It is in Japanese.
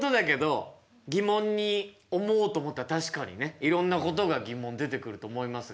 いろんなことが疑問出てくると思いますが。